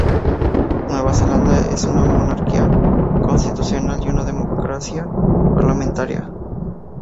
Nueva Zelanda es una monarquía constitucional y una democracia parlamentaria.